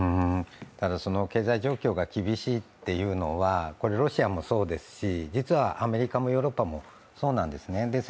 その経済状況が厳しいっていうのはロシアもそうですし実はアメリカもヨーロッパもそうなんですね。